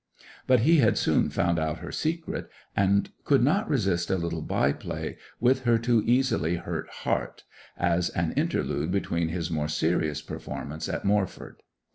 But he had soon found out her secret, and could not resist a little by play with her too easily hurt heart, as an interlude between his more serious performances at Moreford.